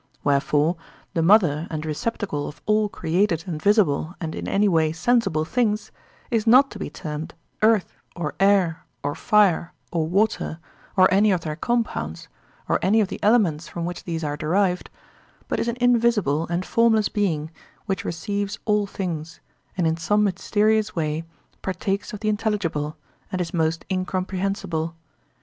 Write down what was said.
Wherefore, the mother and receptacle of all created and visible and in any way sensible things, is not to be termed earth, or air, or fire, or water, or any of their compounds or any of the elements from which these are derived, but is an invisible and formless being which receives all things and in some mysterious way partakes of the intelligible, and is most incomprehensible.